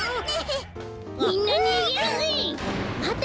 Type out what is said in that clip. みんなにげるぜ！